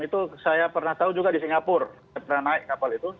itu saya pernah tahu juga di singapura saya pernah naik kapal itu